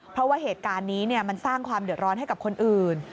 เพราะว่าเหตุการณ์นี้มันสร้างความเดือดร้อนให้กับคนอื่น